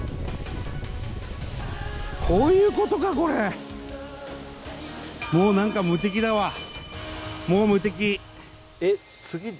こういうことかこれもう無敵えっ